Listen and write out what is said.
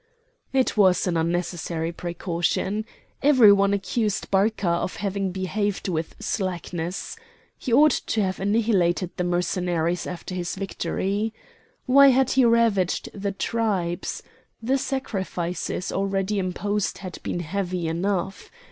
It was an unnecessary precaution; every one accused Barca of having behaved with slackness. He ought to have annihilated the Mercenaries after his victory. Why had he ravaged the tribes? The sacrifices already imposed had been heavy enough!